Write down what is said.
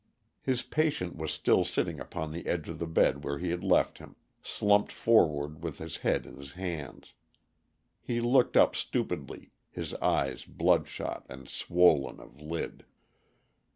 His patient was still sitting upon the edge of the bed where he had left him, slumped forward with his head in his hands. He looked up stupidly, his eyes bloodshot and swollen of lid.